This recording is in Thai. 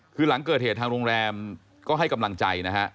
คือหลังเกิดเหตุทางโรงแรมก็ให้กำลังใจนะฮะ